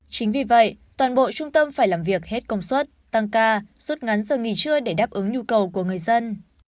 chính vì vậy toàn bộ trung tâm phải làm việc hết công suất tăng ca rút ngắn giờ nghỉ trưa để đáp ứng nhu cầu của người dân